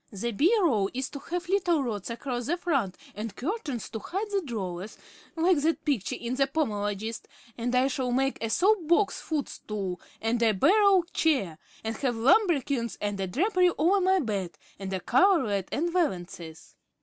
The bureau is to have little rods across the front and curtains to hide the drawers, like that picture in the 'Pomologist,' and I shall make a soapbox footstool and a barrel chair, and have lambrequins and a drapery over my bed, and a coverlet and valances.